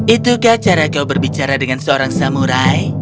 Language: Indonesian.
itukah cara kau berbicara dengan seorang samurai